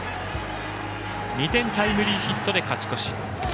２点タイムリーヒットで勝ち越し。